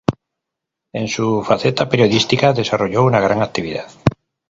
En su faceta periodística desarrolló una gran actividad.